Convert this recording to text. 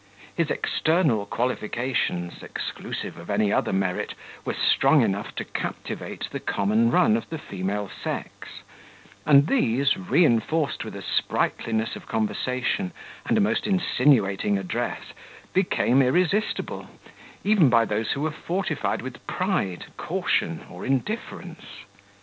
His external qualifications, exclusive of any other merit, were strong enough to captivate the common run of the female sex; and these, reinforced with a sprightliness of conversation, and a most insinuating address, became irresistible, even by those who were fortified with pride, caution, or indifference.